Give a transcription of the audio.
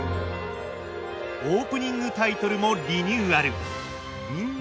オープニングタイトルもリニューアル。